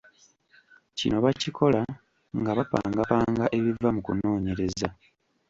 Kino bakikola nga bapangapanga ebiva mu kunoonyereza.